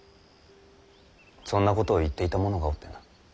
そんなことを言っていた者がおってな。